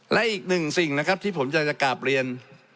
และอีกหนึ่งสิ่งนะครับที่ผมอยากจะกราบเรียน